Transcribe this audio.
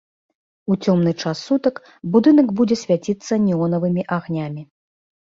У цёмны час сутак будынак будзе свяціцца неонавымі агнямі.